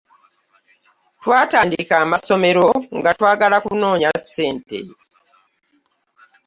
Twatandika amasomero nga twagala kunoonya ssente.